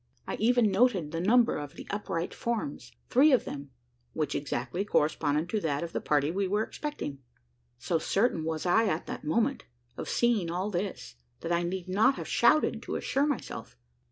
I even noted the number of the upright forms: three of them which exactly corresponded to that of the party we were expecting. So certain was I at the moment, of seeing all this, that I need not have shouted to assure myself.